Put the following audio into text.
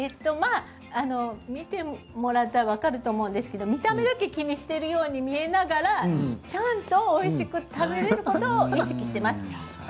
見てもらったら分かると思うんですけど見た目だけ気にしているように見えながらちゃんとおいしく食べられることを意識しています。